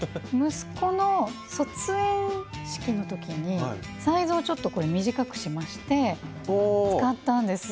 息子の卒園式の時にサイズをちょっとこれ短くしまして使ったんです。